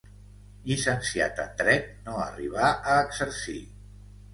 Llicenciat en Dret, no arribà a exercir.